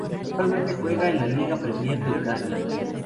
Actualmente juega en la Liga Premier de Ucrania.